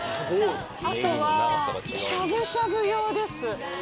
あとはしゃぶしゃぶ用です。